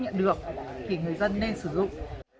nhận được thì người dân nên sử dụng